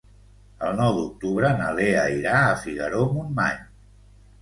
El nou d'octubre na Lea irà a Figaró-Montmany.